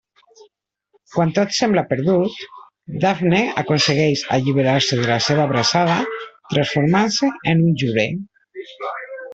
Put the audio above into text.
Quan tot sembla perdut, Dafne aconsegueix alliberar-se de la seva abraçada transformant-se en un llorer.